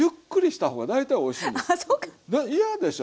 嫌でしょ。